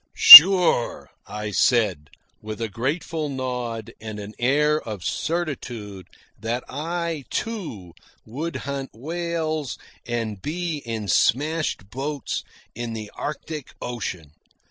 "Sure," I said, with a grateful nod and an air of certitude that I, too, would hunt whales and be in smashed boats in the Arctic Ocean.